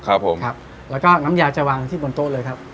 แล้วก็น้ำยาจะวางที่บนโต๊ะเลยครับ